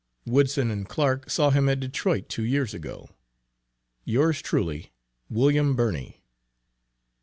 Woodson and Clark saw him at Detroit two years ago. Yours truly, WILLIAM BIRNEY.